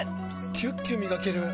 キュッキュ磨ける！